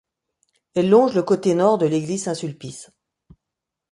Elle longe le côté nord de l'église Saint-Sulpice.